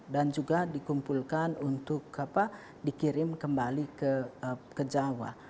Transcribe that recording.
dan juga dikumpulkan untuk dikirim kembali ke jawa